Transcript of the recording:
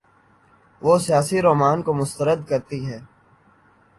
وہ سیاسی رومان کو مسترد کرتی ہے۔